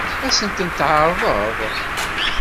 Ad sent-tent-tɛeṛḍeḍ?